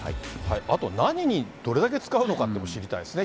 あと、何にどれだけ使うのかって、知りたいですね。